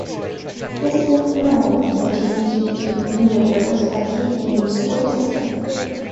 This is similar to the Teenage Mutant Ninja Turtles arcade game score system.